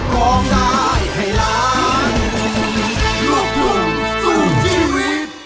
กระแซะกระแซะเข้ามาสิ